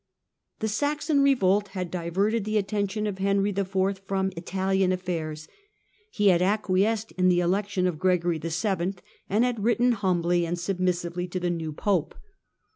The Saxon revolt had diverted the attention of Henry IV. from Italian affairs. He had acquiesced in the elec tion of Gregory VII., and had written humbly and sub missively to the new Pope.